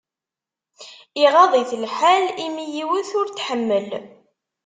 Iɣaḍ-it lḥal imi yiwet ur t-tḥemmel.